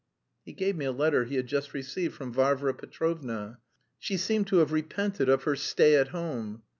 He gave me a letter he had just received from Varvara Petrovna. She seemed to have repented of her "stay at home."